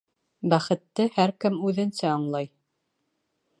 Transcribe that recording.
Бәхетте һәр кем үҙенсә аңлай.